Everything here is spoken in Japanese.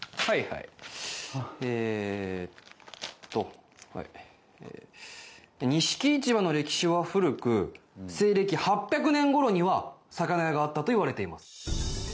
はいえっと錦市場の歴史は古く西暦８００年ごろには魚屋があったと言われています